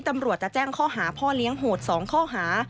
ตำรวจจะแจ้งข้อหาพ่อเลี้ยงโหด๒ข้อหา